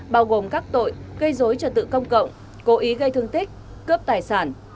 bao gồm các tội gây dối trật tự công cộng cố ý gây thương tích cướp tài sản